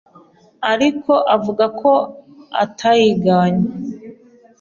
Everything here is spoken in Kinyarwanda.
ariko avuga ko atayiganye